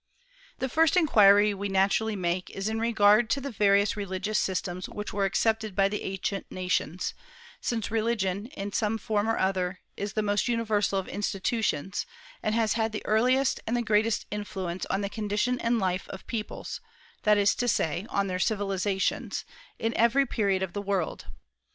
The first inquiry we naturally make is in regard to the various religious systems which were accepted by the ancient nations, since religion, in some form or other, is the most universal of institutions, and has had the earliest and the greatest influence on the condition and life of peoples that is to say, on their civilizations in every period of the world.